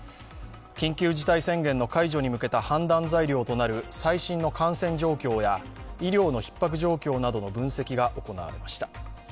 緊急事態宣言の解除に向けた判断材料となる最新の感染状況や医療のひっ迫状況などの分析が行われました。